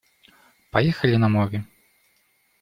Поехали на море!